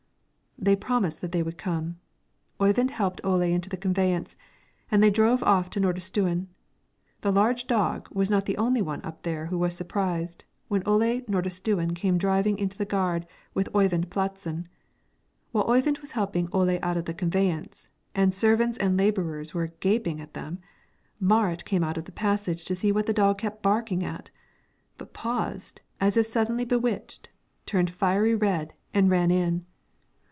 They promised that they would come. Oyvind helped Ole into the conveyance, and they drove off to Nordistuen. The large dog was not the only one up there who was surprised when Ole Nordistuen came driving into the gard with Oyvind Pladsen. While Oyvind was helping Ole out of the conveyance, and servants and laborers were gaping at them, Marit came out in the passage to see what the dog kept barking at; but paused, as if suddenly bewitched, turned fiery red, and ran in.